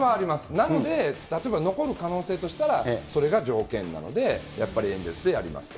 なので、例えば残る可能性としたら、それが条件なのでやっぱりエンゼルスでやりますと。